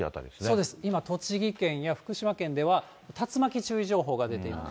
そうです、今、栃木県や福島県では、竜巻注意情報が出ています。